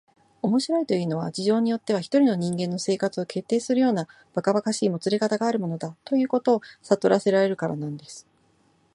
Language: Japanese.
「面白いというのは、事情によっては一人の人間の生活を決定するようなばかばかしいもつれかたがあるものだ、ということをさとらせられるからなんです」